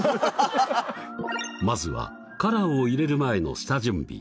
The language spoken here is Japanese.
まずはカラーを入れる前の下準備